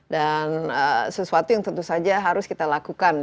dan sesuatu yang tentu saja harus kita lakukan ya